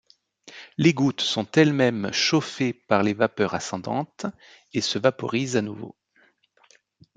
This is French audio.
Les gouttes sont elles-mêmes chauffées par les vapeurs ascendantes et se vaporisent à nouveau.